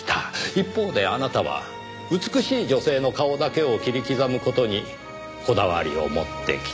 一方であなたは美しい女性の顔だけを切り刻む事にこだわりを持ってきた。